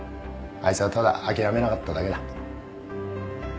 あいつはただ諦めなかっただけだ。